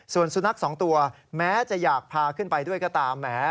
ส่วนสุนัขสองตัวแม้จะอยากพาขึ้นไปด้วยก็ตามแหม